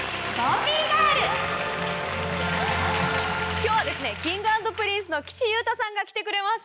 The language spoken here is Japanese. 今日はＫｉｎｇ＆Ｐｒｉｎｃｅの岸優太さんが来てくれました。